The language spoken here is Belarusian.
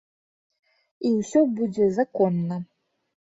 І ўсё будзе законна!